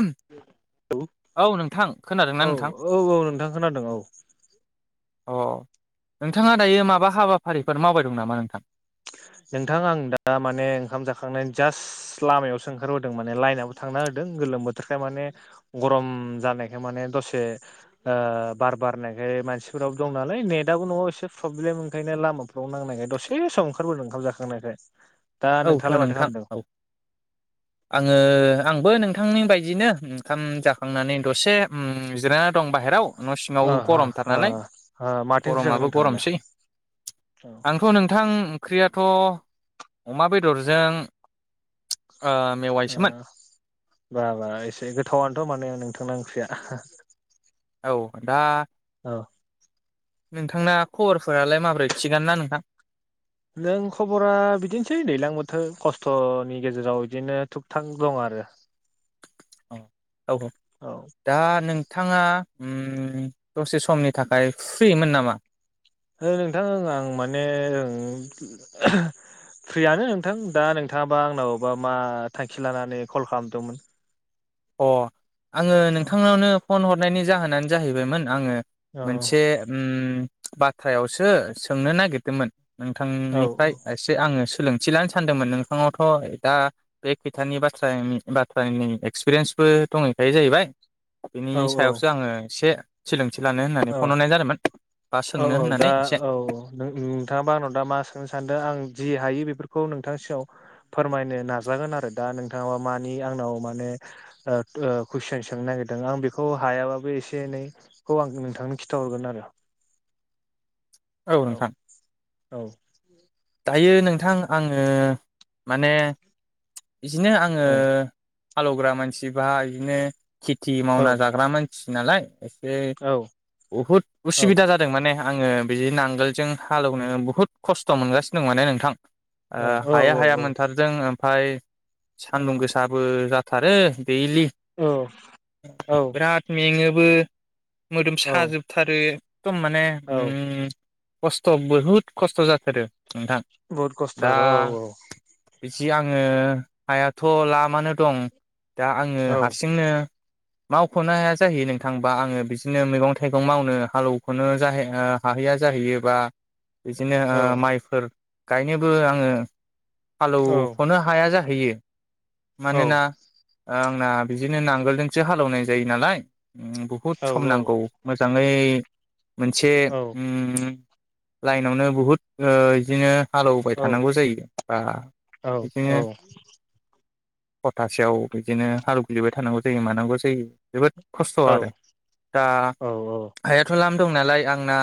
ओम औ नोंथां खोनादों ना औ नोंथां? औ नोंथां खोनादों औ अ नोंथाङा दायो माबा हाबाफारिफोर मावबाय दं नामा नोंथां? नोंथां आं दा माने ओंखाम जाखांनानै जास्ट लामायावसो ओंखारबोदों माने लाइनाबो थांना हो दों गोलोम बोथोरखाय माने गरम जानायखाय माने दसे ओ बार बारनाय ओ मानसिफोराबो दं नालाय नेटआबो न'आव एसे प्रब्लेम ओंखायनो लामाफ्राव नांनायखाय दसे सम ओं ओंखारबोदों ओंखाम जाखांनायखाय। औथ' नोंथाङालाय माथो नोंथां खालामदों? औ आङो आंबो नोंथ थांनि बायदिनो ओंखाम जाखांनानै दसे जिरना दं बाहेराव। न' सिङाव ओ हो गरमथार ओ नालाय ओ माथो ओंख्रि जाखो गरमाबो नोंथाङालाय? गरमसै। औ आंथ' नोंथां क्रियाट ‌। थ अमा बेदरजों ओ ओ मेवाइसोमोन बा बा एसे गोथावनोथ' माने नोंथांना ओंख्रिया। औ दा ओ। नोंथांना खबरफोरालाय माबोरै थिगानो ना नोंथां। नों खबरा बिदिनोसै दैज्लां बोथोर खस्थ'नि गेजेराव इदिनो थुुब थां दं आरो आरो औ औ दा नोंथां थांङा उम दसे समनि थाखाय फ्रिमोन नामा? ओ नोंथां ओ आं माने ओं फ्रियानो नोंथां दा नोंथाङाबा आंनावबा मा थांखि लानानै कल खालामदोंमोन। अ आङो औ नोंथांनावनो फन हरनायनि जाहोनानो जाहैबायमोन आङो। औ मोनसे उम बाथ्रायावसो सोंनो नागिरदोंमोन। औ नोंथांनिफ्राय एसे आङो सोलोंथि लानो सानदोंमोन नोंथांनावथ' दा बे खोथानि बाथ्रानि बाथ्रानि एक्सपिरियेन्सबो दंहैखायो जाहैबाय। बेनि औ औ सायावसो आङो एसे सोलोंथि लानो होननानै औ फन हरनाय जादोंमोन। बा औ सोंनो औ दा होननानै एसे औ नो-नोंथाङाबा आंनाव दा मा सोंनो सानदों आं जि हायो बेफोरखौ खौ नोंथां सेराव फोरमायनो नाजागोन आरो दा नोंथाङाबा मानि आंनाव माने ओ कुइसन सोंनो नागिरदों आं बेखौ हायाबाबो एसे एनैखौ आं नोंथांनो खिथाहरगोन आरो। औ औ। दायो नोंथां आङो माने बिदिनो आङो औ हालौग्रा मानसि बा बिदिनो खेथि मावना जाग्रा मानसि सि नालाय एसे औ बहुद औ उसुबिदा जादों माने आङो बिदि नांगोलजों हालेवनो बुहुद खस्थ' मोनगासिनो दं माने नोंथां। ओ औ हाया हाया मोनथारदों ओमफाय सान्दुं गोसाबो जाथारो दैलि औ बिराद मेङो मोदोम औ साजोबथारो एकदम माने औ उ खस्थ' बहुद खस्थ' जाथारो नोंथां बहुद खस्थ' दा आरो औ जि आङो हायाथ' लामानो दं दा आङो औ हारसिंनो मावख'नो हाया जाहै नोंथां बा आङो बिदिनो मैगं थाइगं मावनो हालौवख'नो जाहै हाहैया जाहैयोबा बिदिनो ओ औ माइफोर गायनोबो आङो औ हालौवख'नो हाया जाहै होयो औ मानोना आंना बिदिनो नांगोलजोंसो हालौवनाय जायो नालाय उ बुहुद औ सम औ नांगौ मोजाङै मोनसे उ लाइनावनो बहुत ओ बिदिनो हालौवबाय थानांगौ जायो बा बिदिनो खथासेयाव बिदिनो हालौव ग्लिबाय थानांगौ जायो मानांगौ जायो जोबोद खस्थ' आरो दा औ औ हायाथ' लाम दं नालाय आंना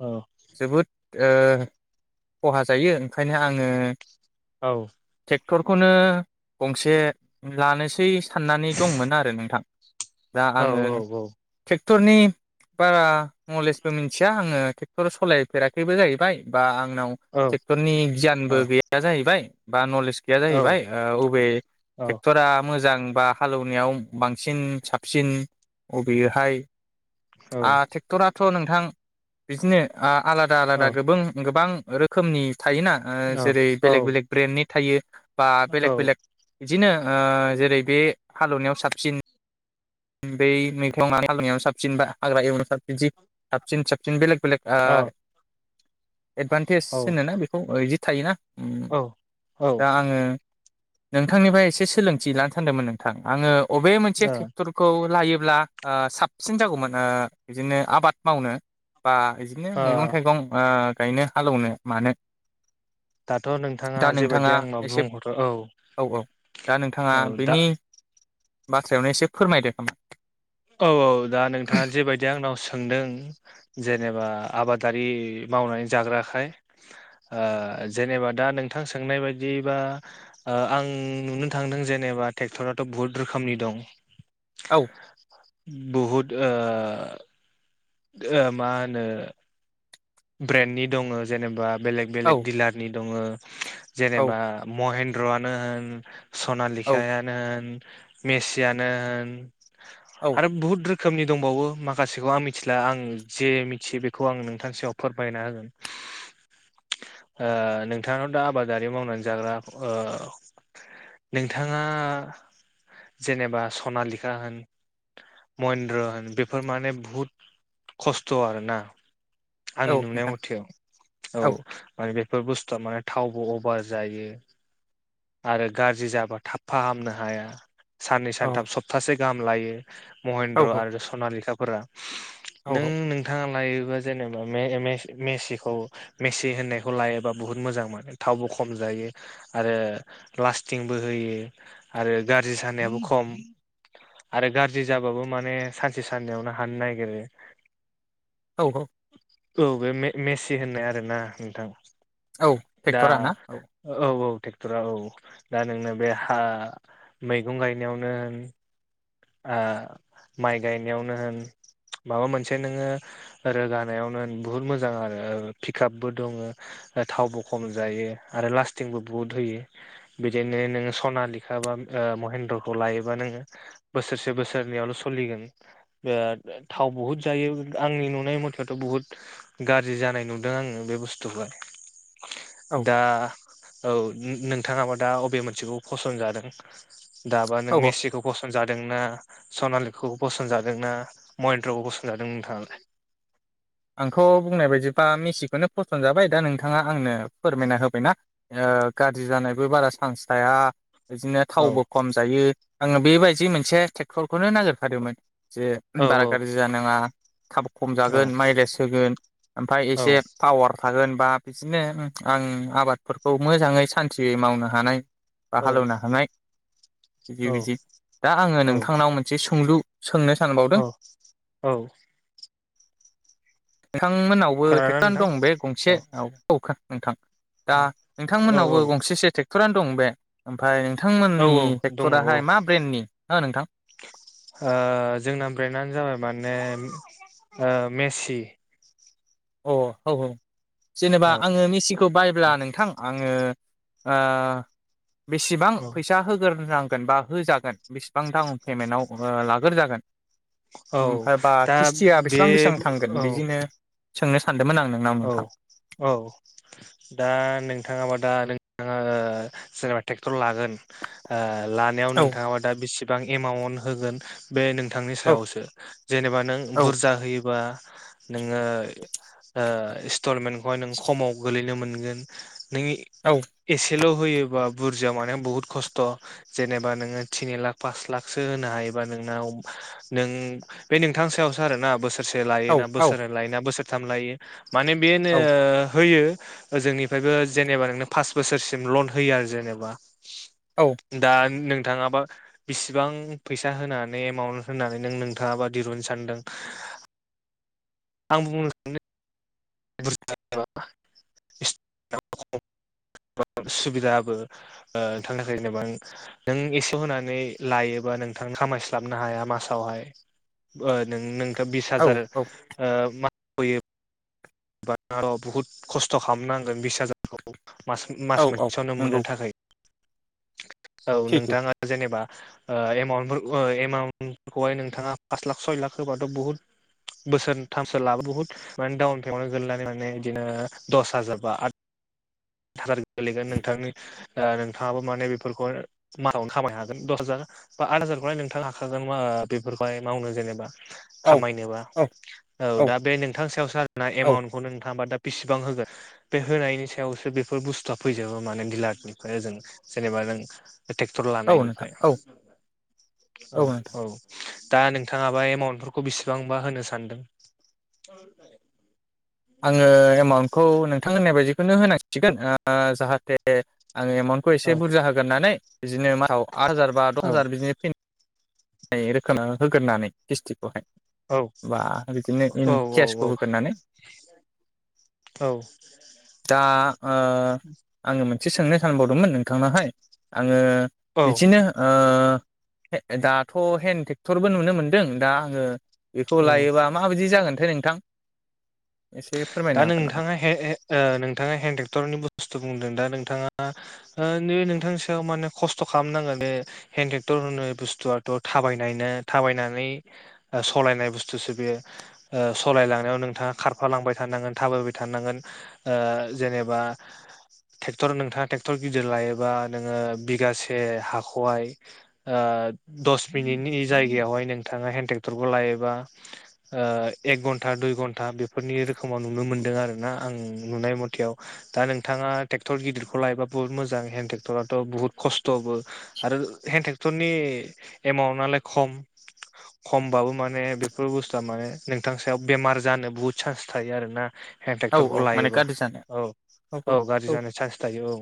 औ जोबोद ओ खहा जायो ओंखायनो आङो औ ट्रेक्टरखौनो गंसे लानोसै साननानै दंमोन आरो नोंथां दा औ आङो औ ट्रेक्टरनि बारा नलेजबो मिथिया आङो ट्रेक्टर सालायफेराखैबो जाहैबाय बा आंनाव औ ट्रेक्टरनि औ गियानबो गैया जाहैबाय बा नलेज गैया औ जाहैबाय अबे औ ट्रेक्ट'रा मोजां आंबा हालौवनायाव बांसिन साबसिन अबेहाय आ औ ट्रेक्टराथ' नोंथां बिदिनो आ आलादा आलादा गोबों गोबां रोखोमनि थायोना औ ओ जेरै बेलेक बेलेक ब्रेन्डनि थायो बा बेलेक बेलेक बिदिनो ओ जेरै बे हालौवनायाव साबसिन बे मैगं हानायाव साबसिन बा हाग्रा एवनायाव साबसिन सै साबसिन साबसिन बेलेग बेलेग ओ एदभान्टेज होनोना बेखौ ओ बिदि थायोना उम औ औ दा आङो नोंथांनिफ्राय एसे सोलोंथि लानो सानदोंमोन नोंथां आङो अबे मोनसे ट्रेक्टरखौ लायो जेब्ला ओ साबसिन जागौमोन ओ बिदिनो आबाद मावनो बा बिदिनो मैगं थाइगं ओ गायनो हालौवनो मानो दाथ' दा नोंथाङा जेबायदि आंनाव एसे बुंहरदो औ औ औ दा नोंथाङा औ दा बेनि बाथ्रायावनो एसे फोरमायदो खोमा औ औ दा नोंथाङा जेबायदि आंनाव सोंदों जेनेबा आबादारि मावनानै जाग्राखाय ओ जेनेबा दा नोंथां सोंनाय बायदि बा ओ आं नुनो थांदों जेनेबा बा ट्रेक्टराथ' बुहुत रोखोमनि दं औ बहुद ओ ओ मा होनो ब्रेन्डनि दङ जेनेबा बेलेग औ बेलेग डिलारनि दङ औ जेनेबा महेन्द्रआनो होन औ सनालिखायानो होन मेसियानो होन औ आरो बुहुत रोखोम रोखोमनि दंबावो माखासेखौ आं मिथिला आं जे मिथियो बेखौ आं नोंथां सायाव फोरमायना होगोन ओ नोंथांनाव दा आबादारि मावनानै जाग्रा ओ नोंथाङा जेनेबा सनालिखा होन महेन्द्र होन बेफोर माने बुहुद खस्थ' आरोना आंनि औ नुनाय नोंथां मथेयाव औ माने बे बेफोर बुस्थुआ माने थावबो अभार जायो आरो गाज्रि जाबा थाबफाहामनो हाया। साननै औ सानथाम सप्तासे गाहाम लायो औ महेन्द्र आरो सनालिखाफोरा औ नों नोंथाङा लायोबा जेने मे मे मेसिखौ मेसि होननायखौ लायोबा बुहुत मोजां मोनो थावबो खम जायो। आरो लास्टिंबो होयो आरो गाज्रि जानायाबो खम आरो गाज्रि जाबाबो माने सानसे साननैयावनो हानो नागिरो। औ औ औ बे मेसि होननाय आरोना नोंथां औ दा ट्रेक्टरा ना औ औ ट्रेक्टरा औ दा नोंनो बे हा मैगं गायनायावनो होन ओ माइ गायनायावनो होन माबा मोनसे नोङो रोगानायावनो बुहुत मोजां आरो पिकआपबो दङ थावबो खम जायो आरो लास्टिंबो बुहुत होयो बिदिनो नोङ सनालेखाबा ओ महेन्द्रखौ लायोबा नोङो बोसोरसे बोसोरनैयावल' सोलिगोन बे थाव बहुद जायो आंनि नुनाय मथेथ' बुहुद गाज्रि जानाय नुदों आङो बे बुस्थुखौहाय औ दा औ नोंथाङाबा दा अबे मोनसेखौ फसन्द जादों। दाबा नों औ मेसिखौ फस जादोंना सनालिखौ पसनजादोंना महेन्द्रखौ पसनजादों नोंथाङालाय? आंथ' बुंनाय बायदिबा सिखौनो फसन जाबाय दा नोंथाङा आंनो फोरमायना होबायना गाज्रि जानायबो बारा सान्स था [unintelligible] बिदिनो औ थावबो खम जायो आङो बेबायदि मोनसे ट्रेक्टरखौनो नागिरखादोंमोन। जे औ बारा औ गाज्रि जानाङा थाब खम जागोन माइगाय सोगोन ओमफ्राय औ एसे पावार थागोन बा बिदिनो आं आबादफोरखौ मोजाङै सान्थियै मावनो हानाय बा औ हालेवनो हानाय बिदि औ बिदि दा आङो औ नोंथांनाव मोनसे सोंलु सोंनो सानबावदों औ औ नोंथांमोननावबो खोनादोंना ट्रेक्ट'रनो दं नोंथां बे गंसे औखा नोंथां। दा औ नोंथांमोननावबो गंसेसो ट्रेक्टरानो दं बे ओमफ्राय औ नोंथांमोननि औ दङ औ ट्रेक्टराहाय मा ब्रेन्डनि हो नोंथां? ओ जोंना ब्रेन्डआानो जाबाय माने ओ मेसि। अ औ औ जेनेबा औ आङो मेसिखौ बायब्ला नोंथां आङो ओ बेसेबां औ फैसा होगोर नांगोन बा होजागोन बेसिबां डाउन पेमेन्टाव लाग्रोजागोन औ ओमफ्राय बा दा ख्रिस्टिया बे बेसेबां बेसेबां थांगोन औ बिदिनो सोंनो सान औ औ दा नोंथाङाबा दा ओ जेनबा ट्रेक्टर लागोन ओ लानायाव औ नोंथाङाबा दा बेसेबां एमाउन्ट होगोन बे नोंथांनि औ सायावसो जेनेबा नों औ बुरजा होयोबा नोङो ओ इन्स्टलमेन्टखौहाय नोंङो खमाव गोगलैनो मोनगोन। नों औ एसेल' होयोबा बुरजा मानाय बुहुत खस्थ' जेनेबा नोङो थिनि लाख पास लाखसो होनो हायोबा नों नाव नों बे नोंथांनि सायावसो आरो ना बोसो रसे लायो औ ना औ बोसोर नै लायो ना बोसोरथाम लायो माने बे औ होयो। ओ जोंनिफ्रायबो जेनेबा नोंनो फास बोसोरसिम लन होयो आरो जेनेबा औ दा नों थाङाबा बिसिबां फैसा होनानै एमाउन्ट होनानै नों नोंथाङाबा दहुननो सानदों। [inaudible] आं बुंनो सानदों बुरजा [unintelligible] [inaudible] सुबिदाबो ओ नोंथांनि थाखाय जेनेबा नों एसे होनानै लायोबा नोंथां खामायस्लाबनो हाया मासावहाय नों नों बिस हाजार औ ओ मासाव होयो हमबा बुहुद खस्थ' खालामनांगोन बिस हाजारखौ। मास औ मास औ मोनसेयावनो नंगौ मोननो थाखाय। औ सैथो नोंथाङा जेनेबा ओ एमाउन्ट ओ एमाउन्टखौहाय नोंथाङा पास लाख सय लाख होबाथ' बुहुत बोसोरथामसो लाबाबो बुहुत माने डाउन नाव गोगैनानै माने बिदिनो दस हाजार बा आद हाजार गोलैगोन नोंथांनि नोंथाङाबो माने बेफोरखौ मानावनो खामायनो हागोन दस हाजार। बा आद हाजारखौलाय नोंथांङा हाखागोन आ बेफोरखौहाय मावनो जेनेबा। औ खामायनोबा औ औ दा बे नोंथांनि सायावसो आरोना औ एमाउन्टखौ नोंथाङाबा दा बेसिबां होगोन बे होनायनि सायावसो बे फोर बुस्थुआ फैजोबो माने डिलारनिफ्राय ओजों जेनेबा नों ट्रेक्टर औ नोंथां लानायनिफ्राय औ औ औ। दा नोंथाङाबा एमाउन्टफोरखौ बेसेबांबा होनो सानदों? आङो एमाउन्टखौ नोंथां होननाय बायदिखौनो होनांसिगोन ओ जाहाथे आंङो एमाउन्टखौ एसे औ बुरजा होग्रोनानै बिदिनो मासाव आद हाजार बा दस औ हाजार बिदिनो फैनाय रोखोम होगोरनानै खिस्थिखौहाय औ एबा बिदिनो इन औ औ केसखौ औ होगोरनानै दा ओ आङो एसे सोंनाय सानबावदोंमोन नोंथांनावहाय आङो औ बिदिनो दाथ' हेन्द टेक्टरबो नुनो मोनदों दा आङो बेखौ औ लायोबा माबायदि जागोनथाय नोंथां? एसे दा फोरमायनो हागोन नामा नोंथाङा नोंथाङा हेन्द ट्रेक्टरनि बुस्थु बुंदों दा नोंथाङा नै नोंथांनि सायाव माने खस्थ' खालामनांगोन बे हेन्द टेक्टर होननाय बुस्थुआथ' थाबायनायनो थाबायनानै सालायनाय बुस्थुसो बेयो सालायलांनायाव नोंथाङा खारफालांबाय था नोङो थाबायबाय थानांगोन जेनेबा ट्रेक्टर नोंथाङा ट्रेक्टर गिदिर लायोबा नोङो बिगासे हाखौहाय दस मिनिटनि जायगायावहाय नोंथांङा हेन टेक्टरखौ लायोबा ओ एख ख घनता दुय धनता बेफोरनि खमाव नुनो मोन्दों आरो ना आं नुनाय मथेआव दा नोंथाङा टेक्ट'र गिदिरखौ लायोब्ला बुहुत मोजां। बे हेन्द टेक्टराथ' बुहुत खस्थ'बो आरो हेन्द टेक्टरनि एमाउटलाय खम खमबाबो माने बेफोर बुस्थुआ माने नोंथां सायाव बेमार जानो बहुद सान्स थायो आरोना हेन औ टेक्टरखौ औ माने लायोबा गाज्रि जानो औ औ गाज्रि जानाय चान्स थायो औ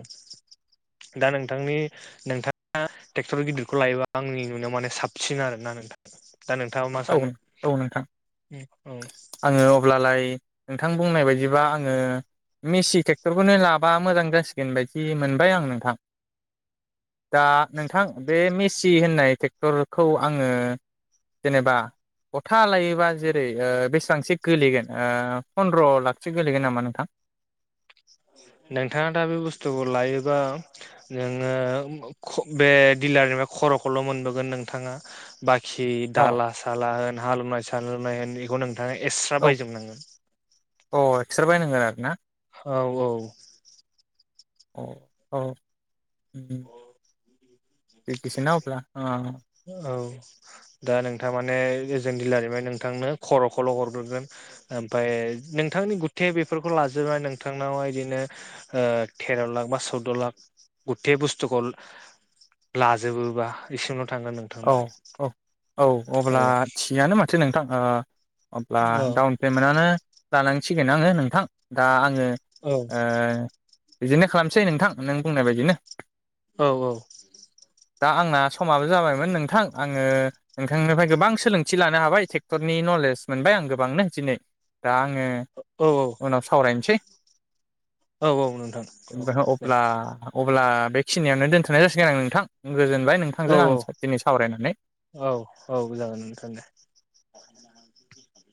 दान नों थांनि नोंथाङा टेक्टर गिदिरखौ लायोबा आंनि नुनायाव माने साबसिन आरोना नोंथां दा नोंथाङा मा औ सानो औ नोंथां औ आङो अब्लालाय नोंथां बुंनाय बायदिबा आङो मिसि ट्रेक्टरखौनो लाबा मोजां जासिगोन बायदि मोनबाय आं नोंथां दा नोंथां बे मेसि होननाय टेक्टरखौ आङो जेनेबा गथा लायोबा जेरै बेसेबांसो गोलैगोन फन्द्र' लाखसो गोलैगोन नामा नोंथां? नोंथाङा दा बे बुस्थुखौ लायोबा नोङो बे डिलारनिफ्राय खर'खौल' मोनबोगोन नोंथाङा बाखि जि अ दाला साला होन हालेवनाय सालेवनाय होन बेखौ नों थाङा एक्स्रा औ बायजोबनांगोन अ एकस्रा बायनांगोन आरो ना औ औ औ औ एखैसोना अब्ला अ औ दा नोंथां माने एजोन दिलारनिफ्राय नोंथांनो खर'खौल' हरग्रोगोन ओमफाय नोंथांनि गुथे बेफोरखौ लाजोबनानै नोंथांनावहाय बिदिनो ओ थेर' लाख बा सौद' लाख गुथे बुस्थुखौ लाजोबोबा इसे औ औ औ औ अब्ला थिगानो माथो नोंथां अब्ला औ डाउन पेमेन्टआनो लानांसिगोन आङो नोंथां दा आङो औ ओ बिदिनो खालामसै नोंथां नों बुंनाय बायदिनो औ औ दा आंना समाबो जाबाय नोंथां आङो नोंथांनिफ्राय गोबां सोलोंथि लानो हाबाय टेक्टरनि नलेज मोनबाय आं गोबांनो दिनै दा आङो औ औ उनाव सावरायनोसै औ औ नोंथां औ दे अब्ला अब्ला बेखिनियावनो दोनथनाय जासिगोन आं नोंथां गोजोनबाय औ नोंथांजों आं साइ औ औ जागोन नोंथां दे